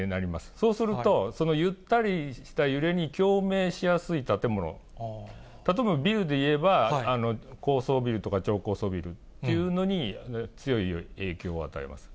そうすると、ゆったりした揺れに共鳴しやすい建物、例えばビルで言えば、高層ビルとか超高層ビルというのに、強い影響を与えます。